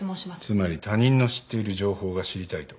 つまり他人の知っている情報が知りたいと。